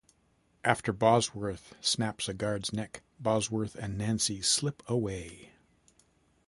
After Bosworth snaps a guard's neck, Bosworth and Nancy slip away.